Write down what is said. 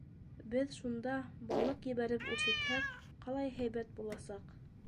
Беҙ шунда балыҡ ебәреп үрсетһәк, ҡалай һәйбәт буласаҡ.